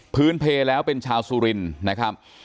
พื้นเพลแล้วเป็นชาวสุรินนะครับ